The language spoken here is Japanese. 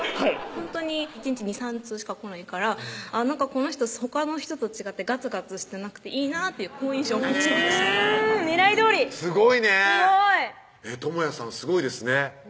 ほんとに１日２３通しか来ないからこの人ほかの人と違ってガツガツしてなくていいなって好印象を持ちました狙いどおりすごいねすごいともやさんすごいですね